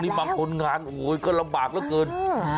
ตรงนี้บางคนงานก็ลำบากแล้วเกิน